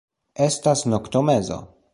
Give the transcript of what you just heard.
Estas noktomezo.